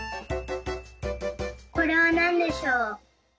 これはなんでしょう。